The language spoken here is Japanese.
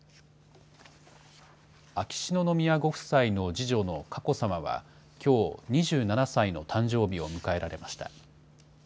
秋篠宮ご夫妻の次女の佳子さまは、きょう、２７歳の誕生日を迎えられました。